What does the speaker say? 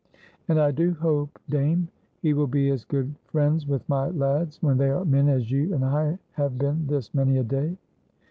"And I do hope, dame, he will be as good friends with my lads when they are men as you and I have been this many a day."